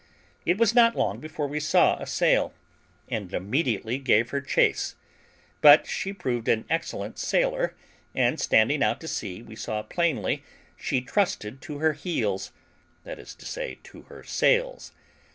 It was not long before we saw a sail, and immediately gave her chase; but she proved an excellent sailer, and, standing out to sea, we saw plainly she trusted to her heels that is to say, to her sails.